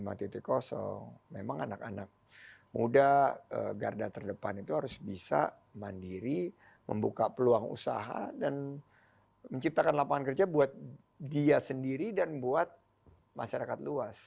memang anak anak muda garda terdepan itu harus bisa mandiri membuka peluang usaha dan menciptakan lapangan kerja buat dia sendiri dan buat masyarakat luas